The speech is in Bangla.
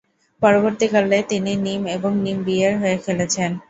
পরবর্তীকালে, তিনি নিম এবং নিম বি-এর হয়ে খেলেছেন।